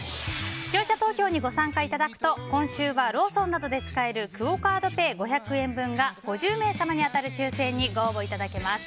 視聴者投票にご参加いただくと今週はローソンなどで使えるクオ・カードペイ５００円分が５０名様に当たる抽選にご応募いただけます。